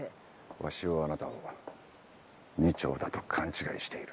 鷲男はあなたを二丁だと勘違いしている。